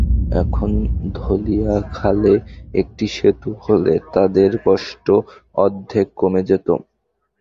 এখন ধলিয়া খালে একটি সেতু হলে তাঁদের কষ্ট অর্ধেক কমে যেত।